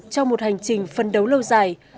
trong một hành trình phân đấu lâu dài